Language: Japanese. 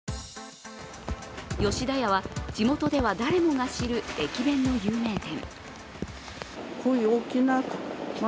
吉田屋は地元では誰もが知る駅弁の有名店。